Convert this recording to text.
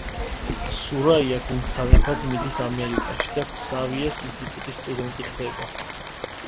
სურაია გუნდთან ერთად მიდის ამერიკაში და ქსავიეს ინსტიტუტის სტუდენტი ხდება.